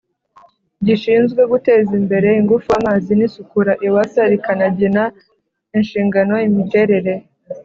Gishinzwe guteza imbere ingufu amazi n isukura ewsa rikanagena inshingano imiterere